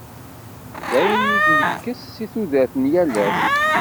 D ayen i d-ntekkes seg tudert n yal ass.